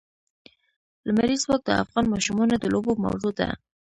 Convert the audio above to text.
لمریز ځواک د افغان ماشومانو د لوبو موضوع ده.